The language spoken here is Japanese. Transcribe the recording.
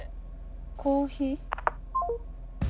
コーヒー？